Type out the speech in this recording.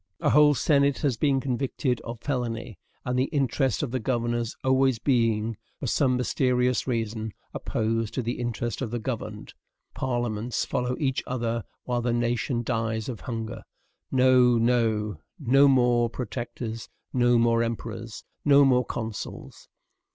A whole senate has been convicted of felony, and, the interest of the governors always being, for some mysterious reason, opposed to the interest of the governed, parliaments follow each other while the nation dies of hunger. No, no! No more protectors, no more emperors, no more consuls.